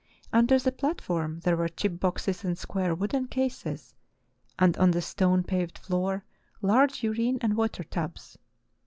Under the platform there were chip boxes and square wooden* cases, and on the stone paved floor large urine and water tubs.